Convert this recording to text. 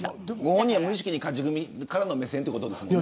ご本人が無意識の勝ち組からの目線ということですね。